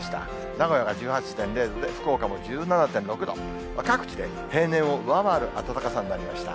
名古屋が１８．０度で、福岡も１７．６度、各地で平年を上回る暖かさになりました。